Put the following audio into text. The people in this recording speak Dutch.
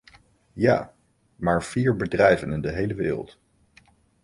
Ja, maar vier bedrijven in de hele wereld.